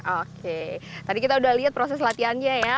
oke tadi kita udah lihat proses latihannya ya